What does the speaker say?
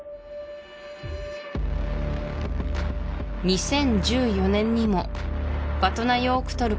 ２０１４年にもヴァトナヨークトル